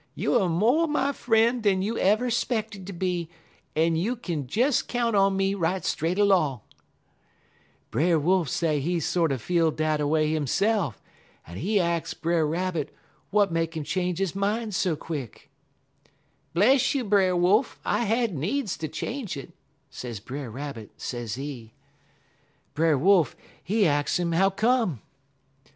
Youer much mo' my fr'en' dan you ever 'speckted ter be, en you kin des count on me right straight 'long.' "Brer Wolf say he feel sorter dat a way hisse'f, en he ax Brer Rabbit w'at make 'im change his min' so quick. "'Bless you, Brer Wolf, I had needs ter change it,' sez Brer Rabbit, sezee. "Brer Wolf, he ax 'im how come.